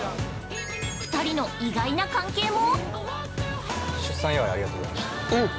２人の意外な関係も！